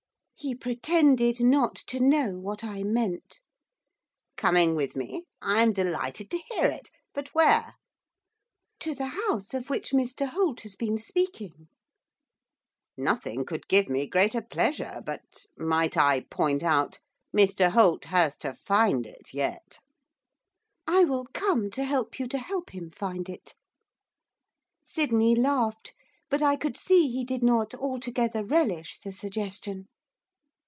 He pretended not to know what I meant. 'Coming with me? I am delighted to hear it, but where?' 'To the house of which Mr Holt has been speaking.' 'Nothing could give me greater pleasure, but might I point out? Mr Holt has to find it yet?' 'I will come to help you to help him find it.' Sydney laughed, but I could see he did not altogether relish the suggestion.